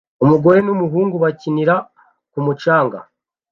Umugore n'umuhungu bakinira ku mucanga